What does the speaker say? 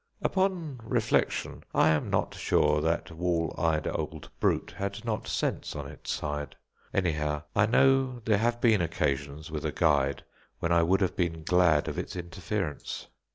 Upon reflection, I am not sure that wall eyed old brute had not sense on its side. Anyhow, I know there have been occasions, with a guide, when I would have been glad of its interference.